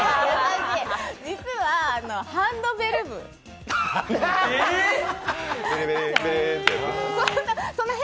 実はハンドベル部。